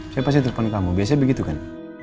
saya pasti telepon kamu biasanya begitu kan